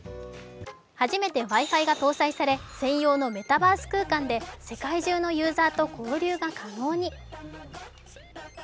初めてＷｉ−Ｆｉが搭載され専用のメタバース空間で世界中のユーザーと交流が可能に。